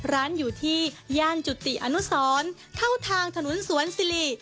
ร้านอยู่ที่ย่านจุติอนุสรเข้าทางถนนสวนสิริ